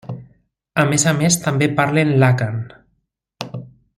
A més a més també parlen l'àkan.